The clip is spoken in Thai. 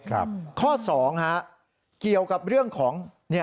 ข้อสองฮะเกี่ยวกับเรื่องของ